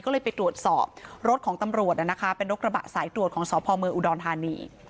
ก็เลยไปตรวจสอบรถของตำรวจนะคะเป็นรถกระบะสายตรวจของสพเมืองอุดรธานี